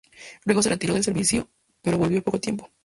Luego se retiró del servicio pero volvió al poco tiempo.